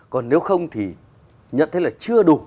còn nếu không thì nhận thấy là chưa đủ